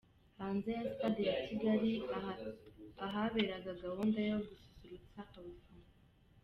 Hanze ya Sitade ya Kigali ahaberaga gahunda yo gususurutsa abafana.